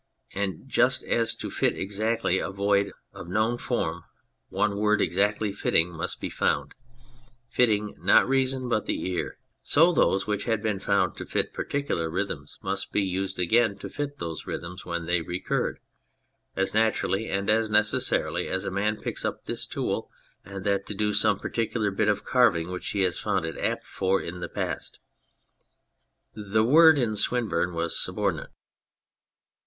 And just as to fit exactly a void of known form one word exactly fitting must be found (fitting not reason but the ear) so those which had been found to fit par ticular rhythms must be used again to fit those rhythms when they recurred, as naturally and as necessarily as a man picks up this tool and that to do some par ticular bit of carving which he has found it apt for in the past. The word in Swinburne was subordinate.